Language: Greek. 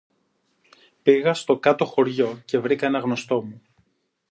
Πήγα στο Κάτω Χωριό και βρήκα ένα γνωστό μου